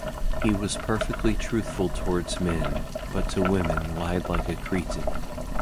He was perfectly truthful towards men, but to women lied like a Cretan.